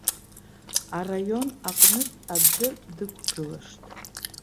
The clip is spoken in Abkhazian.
Араион аҟнытә аӡәы дықәгылашт.